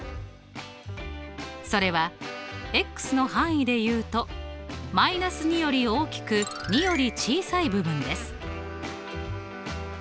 それはの範囲で言うと−２より大きく２より小さい部分です。